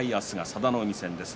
明日は佐田の海戦です。